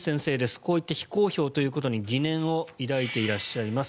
こういった非公表ということに疑念を抱いていらっしゃいます。